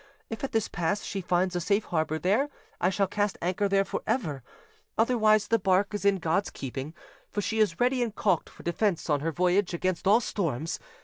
If at this pass she finds a safe harbour there, I shall cast anchor there for ever: otherwise the bark is in God's keeping, for she is ready and caulked for defence on her voyage against all storms.